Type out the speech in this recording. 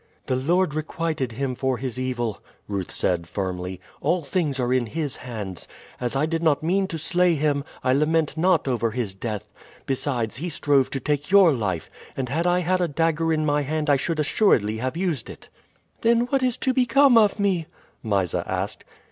"The Lord requited him for his evil," Ruth said firmly. "All things are in his hands. As I did not mean to slay him, I lament not over his death. Besides, he strove to take your life, and had I had a dagger in my hand I should assuredly have used it." "Then what is to become of me?" Mysa asked.